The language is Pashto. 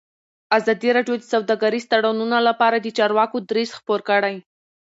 ازادي راډیو د سوداګریز تړونونه لپاره د چارواکو دریځ خپور کړی.